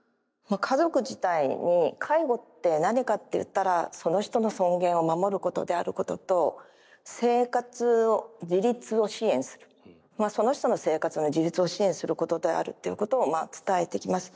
家族自体に介護って何かっていったらその人の尊厳を守ることであることと生活を自立を支援するその人の生活の自立を支援することであるということを伝えていきます。